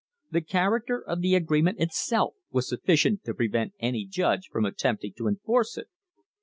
The character of the agree ment itself was sufficient to prevent any judge from attempt ing to enforce it.